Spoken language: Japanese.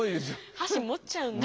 はし持っちゃうんだ？